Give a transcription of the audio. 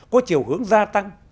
có chiều hướng gia tăng